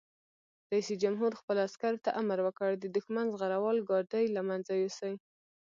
رئیس جمهور خپلو عسکرو ته امر وکړ؛ د دښمن زغروال ګاډي له منځه یوسئ!